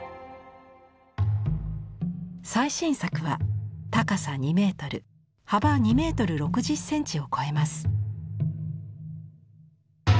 最新作は高さ２ｍ幅２ｍ６０ｃｍを超えます。